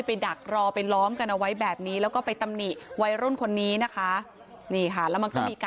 ถ้าไม่เบิ้ลไม่มีใครมีปัญหาหรอก